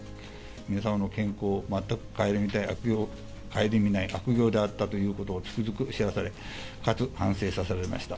皆様の健康を全く顧みない悪行であったということを、つくづく知らされ、かつ反省させられました。